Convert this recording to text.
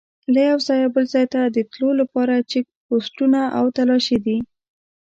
له یوه ځایه بل ځای ته د تلو لپاره چیک پوسټونه او تلاشي دي.